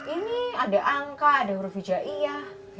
ini ada angka ada huruf hijaiyah